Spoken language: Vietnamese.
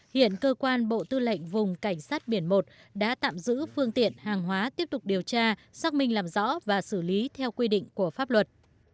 hiện cơ quan bộ tư lệnh vùng cảnh sát biển một đã tạm giữ phương tiện hàng hóa tiếp tục điều tra xác minh làm rõ và xử lý theo quy định của pháp luật